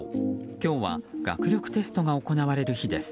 今日は学力テストが行われる日です。